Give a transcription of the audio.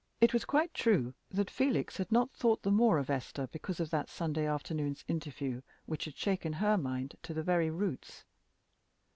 It was quite true that Felix had not thought the more of Esther because of that Sunday afternoon's interview which had shaken her mind to the very roots.